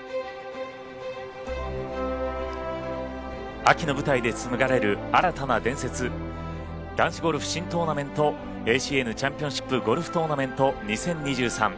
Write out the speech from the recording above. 秋の舞台で紡がれる新たな伝説男子ゴルフ新トーナメントＡＣＮチャンピオンシップゴルフトーナメント２０２３